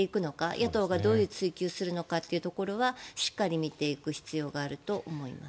野党がどう追及するかというところはしっかり見ていく必要があると思います。